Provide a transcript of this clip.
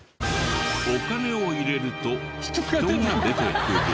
お金を入れると人が出てくる。